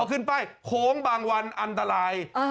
ขึ้นป้ายโค้งบางวันอันตราย